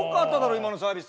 今のサービス。